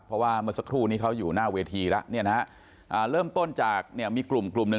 เพราะว่าเมื่อสักครู่นี้เขาอยู่หน้าเวทีแล้วเริ่มต้นจากมีกลุ่มนึง